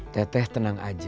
teteh tenang aja